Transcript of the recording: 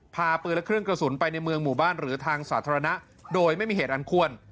พาปืนและเครื่องกระสุนไปในเมืองหมู่บ้านหรือทางสาธารณะโดยไม่มีเหตุอันควร